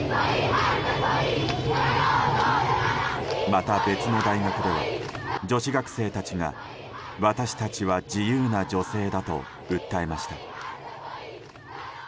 また別の大学では女子生徒たちが私たちは自由な女性だと訴えました。